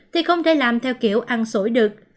thì không thể làm theo kiểu ăn sổi được